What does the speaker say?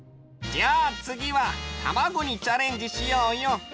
じゃあつぎはたまごにチャレンジしようよ。